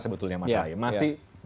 sebetulnya mas ahaye masih empat